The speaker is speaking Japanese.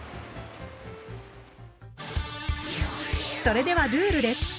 それではルールです。